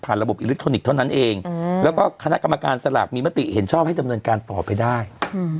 ระบบอิเล็กทรอนิกส์เท่านั้นเองแล้วก็คณะกรรมการสลากมีมติเห็นชอบให้ดำเนินการต่อไปได้